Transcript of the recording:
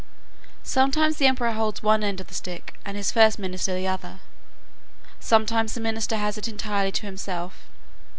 Sometimes the emperor holds one end of the stick, and his first minister the other; sometimes the minister has it entirely to himself.